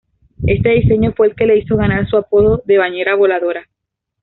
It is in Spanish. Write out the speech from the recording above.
Este diseño fue el que le hizo ganar su apodo de "bañera voladora".